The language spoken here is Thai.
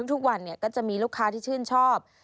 ทุกวันก็จะมีลูกค้าที่ชื่นชอบ